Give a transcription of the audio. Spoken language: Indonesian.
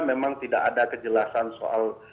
memang tidak ada kejelasan soal